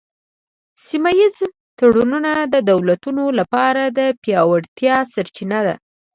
سیمه ایز تړونونه د دولتونو لپاره د پیاوړتیا سرچینه ده